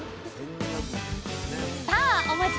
さあお待ちかね！